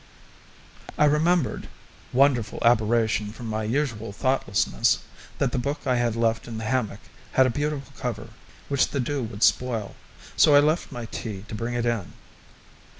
I remembered wonderful aberration from my usual thoughtlessness that the book I had left in the hammock had a beautiful cover which the dew would spoil, so I left my tea to bring it in.